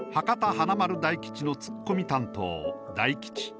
華丸・大吉のツッコミ担当大吉。